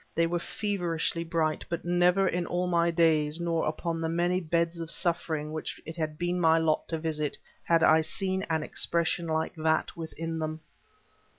They were feverishly bright, but never in all my days, nor upon the many beds of suffering which it had been my lot to visit, had I seen an expression like that within them.